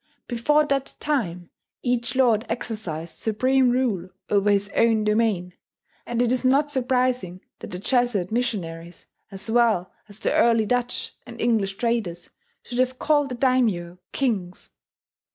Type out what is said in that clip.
Before that time each lord exercised supreme rule over his own domain; and it is not surprising that the Jesuit missionaries, as well as the early Dutch and English traders should have called the daimyo "kings."